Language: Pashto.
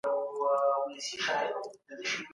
په جرګه کي د هوښیارۍ او فراست شتون اړین دی.